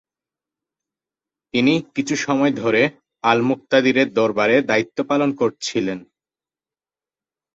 তিনি কিছু সময় ধরে আল-মুক্তাদিরের দরবারে দায়িত্ব পালন করছিলেন।